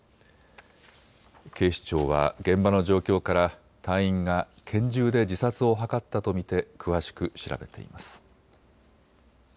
警視庁は現場の状況から隊員が拳銃で自殺を図ったと見て詳しく調べています。